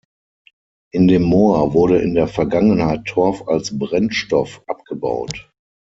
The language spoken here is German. In dem Moor wurde in der Vergangenheit Torf als Brennstoff abgebaut.